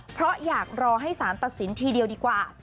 เพราะอยากรอให้สารตัดสินทีเดียวดีกว่า